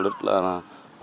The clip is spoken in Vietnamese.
rất là vui